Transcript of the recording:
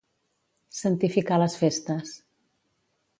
Santificar les festes.